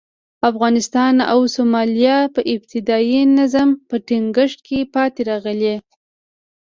افغانستان او سومالیا په ابتدايي نظم په ټینګښت کې پاتې راغلي.